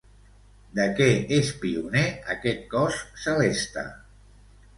De què és pioner aquest cos celeste?